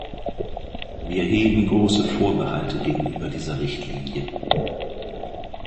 Wir hegen große Vorbehalte gegenüber dieser Richtlinie.